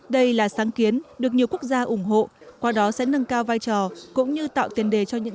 đây là sáng kiến được nhiều quốc gia ủng hộ qua đó sẽ nâng cao vai trò cũng như tạo tiền đề cho những